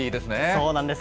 そうなんです。